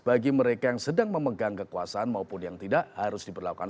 bagi mereka yang sedang memegang kekuasaan maupun yang tidak harus diperlakukan